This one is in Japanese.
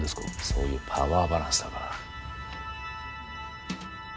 そういうパワーバランスだから。